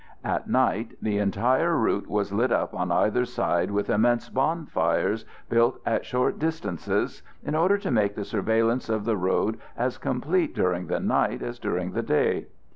At night, the entire route was lit up on either side with immense bonfires built at short distances in order to make the surveillance of the road as complete during the night as during the day.